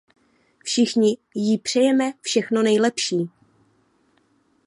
Všichni jí přejeme všechno nejlepší.